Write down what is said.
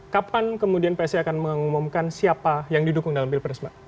kapan kemudian psi akan mengumumkan siapa yang didukung dalam pilpres mbak